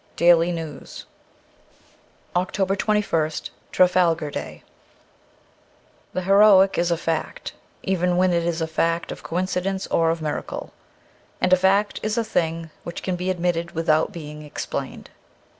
' Daily News* 326 OCTOBER 2ist TRAFALGAR DAY THE heroic is a fact, even when it is a fact of coincidence or of miracle ; and a fact is a thing which can be admitted without being explained.